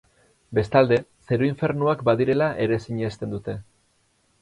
Bestalde, zeru-infernuak badirela ere sinesten dute.